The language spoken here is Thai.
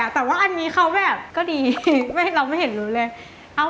แต่ว่าอันนี้เขาแบบก็ดีเราไม่เห็นรู้เลย